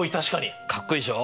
かっこいいでしょ。